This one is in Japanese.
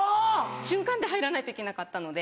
瞬間で入らないといけなかったので。